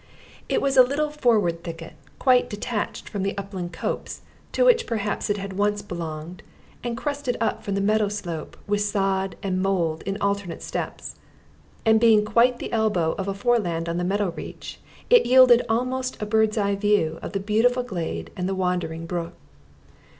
It was a little forward thicket, quite detached from the upland copse, to which perhaps it had once belonged, and crusted up from the meadow slope with sod and mould in alternate steps. And being quite the elbow of a foreland of the meadow reach, it yielded almost a "bird's eye view" of the beautiful glade and the wandering brook.